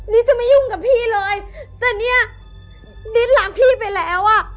จะไม่ยุ่งกับพี่เลยแต่เนี้ยนิดรักพี่ไปแล้วอ่ะ